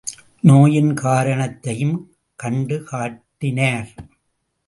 நோயின் காரணத்தையும் கண்டு காட்டினார்.